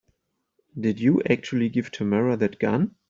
Did you actually give Tamara that gun?